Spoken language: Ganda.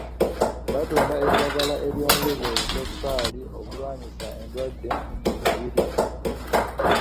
Batunda eddagala eryongeza obutaffaali obulwanyisa endwadde mu mubiri.